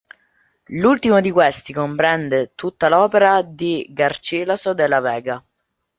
L'ultimo di questi comprende tutta l'opera di Garcilaso de la Vega.